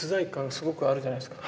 すごくあるじゃないですか。